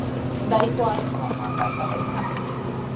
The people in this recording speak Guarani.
ndaikuaáingo mamá mba'épa he'i.